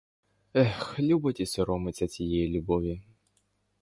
Ех, любить і соромиться цієї любові!